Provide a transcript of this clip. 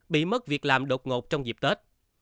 bị mất việc làm đột ngột trong dịp tết